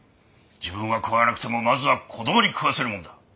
自分は食わなくともまずは子どもに食わせるもんだ。